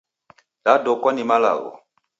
Dadokwa ni malagho